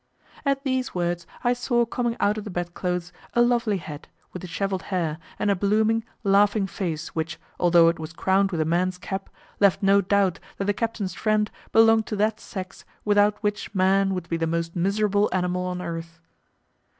At these words I saw coming out of the bed clothes a lovely head, with dishevelled hair, and a blooming, laughing face which, although it was crowned with a man's cap, left no doubt that the captain's friend belonged to that sex without which man would be the most miserable animal on earth.